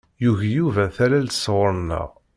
Yugi Yuba tallalt sɣur-neɣ.